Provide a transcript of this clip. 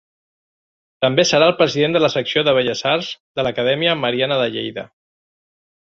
També serà el president de la Secció de Belles Arts de l'Acadèmia Mariana de Lleida.